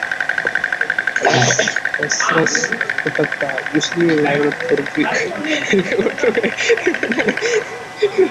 Aws, Khazraj கூட்டத்தார் முஸ்லீம்களான பிற்கு, மிக ஒற்றுமையுடன் இருந்தார்கள்.